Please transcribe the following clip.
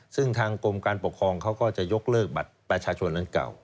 ซึ่งทางกรมการปกครองเขาก็จะยกเลิกบัตรประชาชนนั้นเก่า